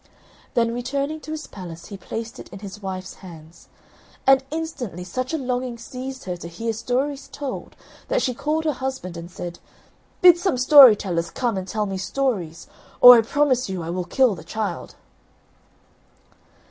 Then, returning to his palace, he placed it in his wife's hands; and instantly such a longing seized her to hear stories told, that she called her husband and said, "Bid some story tellers come and tell me stories, or I promise you, I will kill the child."